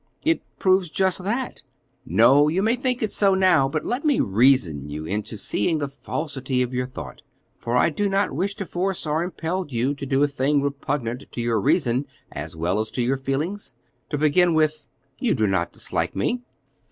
"It proves just that." "No, you may think so now, but let me reason you into seeing the falsity of your thought, for I do not wish to force or impel you to do a thing repugnant to your reason as well as to your feelings. To begin with, you do not dislike me?"